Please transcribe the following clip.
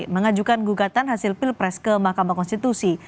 mengajukan gugatan hasil pilpres ke mahkamah konstitusi